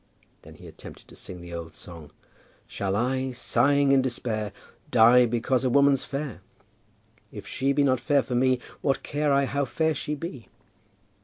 Then he attempted to sing the old song "Shall I, sighing in despair, die because a woman's fair? If she be not fair for me, what care I how fair she be?"